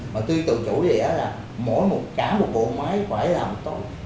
mà tuy tự chủ dĩa là mỗi một cả một bộ máy phải làm tốt